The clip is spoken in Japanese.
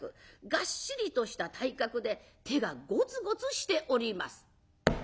がっしりとした体格で手がごつごつしております。